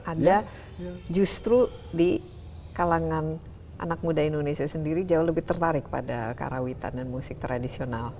ada justru di kalangan anak muda indonesia sendiri jauh lebih tertarik pada karawitan dan musik tradisional